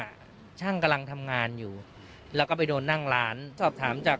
ช่างกำลังทำงานอยู่แล้วก็ไปโดนนั่งร้านสอบถามจาก